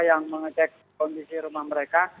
yang mengecek kondisi rumah mereka